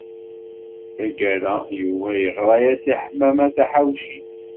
Tagara, Yuba yeɣra-as i Ḥemmama Taḥawcint.